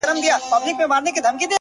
ما او تا د وخت له ښايستو سره راوتي يـو،